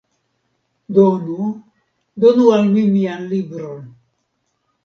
Donu! Donu al mi mian libron!